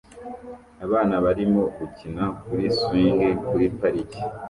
Abana barimo gukina kuri swingi kuri parike